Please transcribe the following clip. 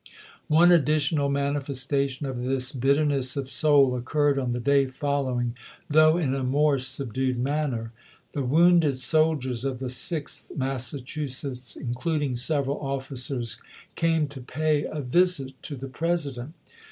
"^ One additional manifestation of this bitterness of soul occurred on the day following, though in a more subdued manner. The wounded soldiers of the Sixth Massachusetts, including several officers, came to pay a visit to the President.